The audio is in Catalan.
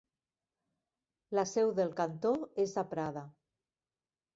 La seu del cantó és a Prada.